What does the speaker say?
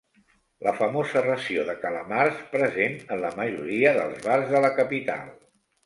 La famosa ració de calamars, present en la majoria dels bars de la capital.